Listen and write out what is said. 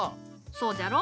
そうじゃろ？